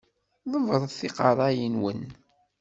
Ḍebbret iqeṛṛa-nwen!